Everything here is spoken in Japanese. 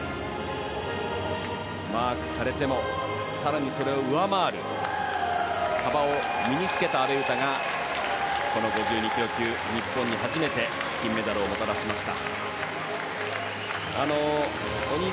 マークされても更にそれを上回る幅を身に着けた阿部詩が日本柔道で初めて、この階級の金メダルをもたらしました。